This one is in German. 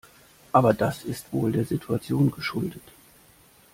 Aber das ist wohl der Situation geschuldet.